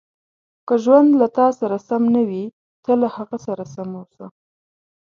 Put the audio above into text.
• که ژوند له تا سره سم نه وي، ته له هغه سره سم اوسه.